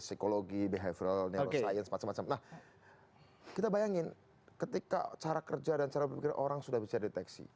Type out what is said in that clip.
psikologi behavioral neuroscience semacam semacam nah kita bayangin ketika cara kerja dan cara berpikir orang sudah bisa dideteksi